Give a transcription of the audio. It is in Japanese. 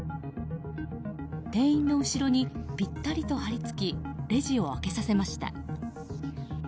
店員の後ろにぴったりと張り付きレジを開けさせました。